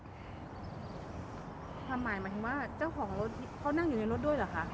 หมายหมายถึงว่าเจ้าของรถเขานั่งอยู่ในรถด้วยเหรอคะ